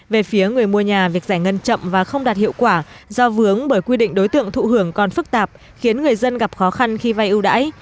về phía người mua nhà việc giải ngân chậm và không đạt hiệu quả do vướng bởi quy định đối tượng thụ hưởng còn phức tạp khiến người dân gặp khó khăn khi vay ưu đãi